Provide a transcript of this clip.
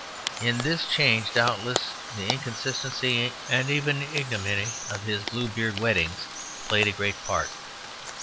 In this change doubtless the inconsistency and even ignominy of his Bluebeard weddings played a great part.